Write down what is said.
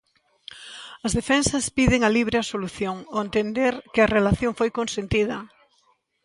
As defensas piden a libre absolución ao entender que a relación foi consentida.